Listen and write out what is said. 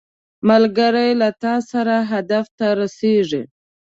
ملګری له تا سره هدف ته رسیږي